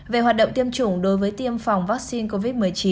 về hoạt động tiêm chủng đối với tiêm phòng vaccine covid một mươi chín